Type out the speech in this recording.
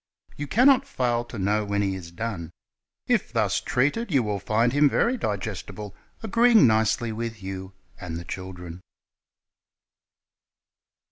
"You cannot fail to know when he is done. If thus treated, you will find him very digestible, agreeing nicely with you and the children.